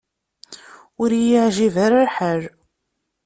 Ur iyi-yeɛjib ara lḥal.